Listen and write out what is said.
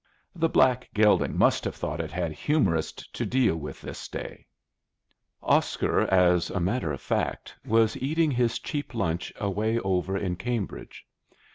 The black gelding must have thought it had humorists to deal with this day. Oscar, as a matter of fact, was eating his cheap lunch away over in Cambridge.